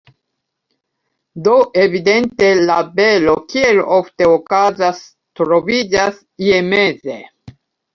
Do evidente, la vero, kiel ofte okazas, troviĝas ie meze.